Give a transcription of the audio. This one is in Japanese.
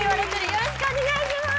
よろしくお願いします！